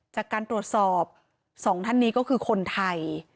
จากการตรวจสอบสองท่านนี้ก็คือคนไทย